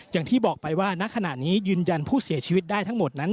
อย่างที่บอกไปว่าณขณะนี้ยืนยันผู้เสียชีวิตได้ทั้งหมดนั้น